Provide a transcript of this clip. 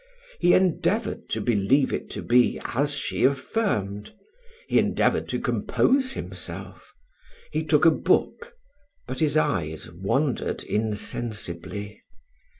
He endeavoured to believe it to be as she affirmed; he endeavoured to compose himself: he took a book, but his eyes wandered insensibly.